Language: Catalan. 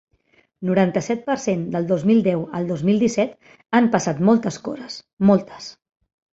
Noranta-set per cent Del dos mil deu al dos mil disset han passat moltes coses, moltes.